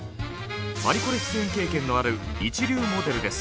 パリコレ出演経験のある一流モデルです。